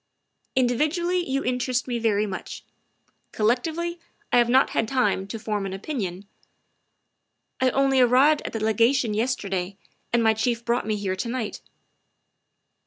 " Individually you interest me very much; collec tively I have not had time to form an opinion. I only arrived at the Legation yesterday, and my Chief brought me here to night."